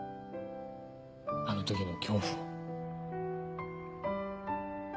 あの時の恐怖を。